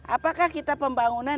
apakah kita pembangunan